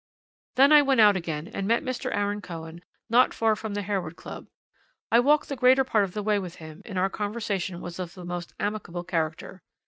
"'Then I went out again, and met Mr. Aaron Cohen not far from the Harewood Club. I walked the greater part of the way with him, and our conversation was of the most amicable character.